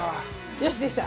よしできた！